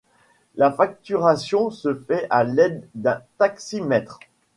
La facturation se fait à l'aide d'un taximètre.